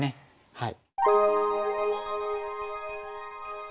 はい。